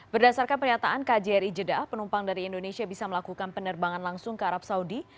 berdasarkan pernyataan kjri jeddah penumpang dari indonesia bisa melakukan penerbangan langsung ke arab saudi